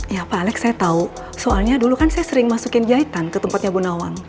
ya pak alex saya tahu soalnya dulu kan saya sering masukin jahitan ke tempatnya gunawan